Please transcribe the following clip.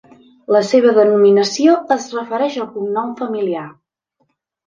La seva denominació es refereix al cognom familiar.